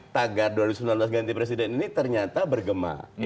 tagar dua ribu sembilan belas ganti presiden ini ternyata bergema